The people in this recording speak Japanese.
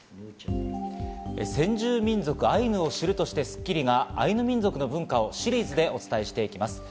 先住民族アイヌを知るとして『スッキリ』がアイヌ民族の文化をシリーズでお伝えしていきます。